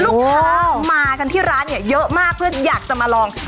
ลูกค้ามากันที่ร้านเนี่ยเยอะมากเพื่ออยากจะมาลอง